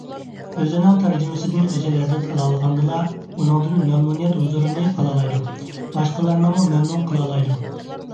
ئۆزىنىڭ تەرجىمىسىدىن ئۆزى لەززەت ئالالىغاندىلا، ئۇنىڭدىن مەمنۇنىيەت ھۇزۇرىنى ئالالايدۇ، باشقىلارنىمۇ مەمنۇن قىلالايدۇ.